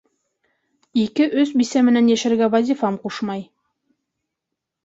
Ике-өс бисә менән йәшәргә вазифам ҡушмай.